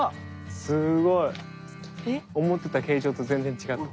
すごい。思ってた形状と全然違った。